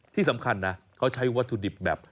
ที่สำคัญนะเขาใช้วัตถุดิบแบบ